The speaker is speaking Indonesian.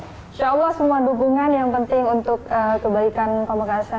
insya allah semua dukungan yang penting untuk kebaikan pemekasan penelusurnya mengambil dukungan dari masyarakat